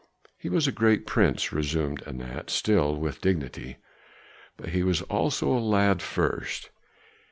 "He was a great prince," resumed Anat, still with dignity, "but he was also a lad first.